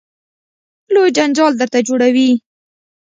لوی جنجال درته جوړوي.